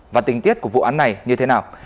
và tình tiết của vụ án này như thế nào